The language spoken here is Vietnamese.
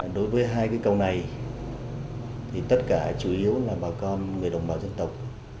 đối với hai cây cầu này thì tất cả chủ yếu là bà con người đồng bào dân tộc